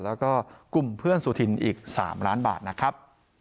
แล้วก็กลุ่มเพื่อนสุธินอีก๓ล้านบาทนะครับ